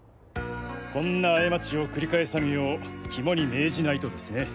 こんな過ちを繰り返さぬよう肝に銘じないとですね。